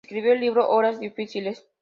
Escribió el libro "Horas difíciles.